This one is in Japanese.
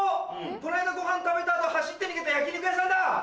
この間ごはん食べた後走って逃げた焼き肉屋さんだ！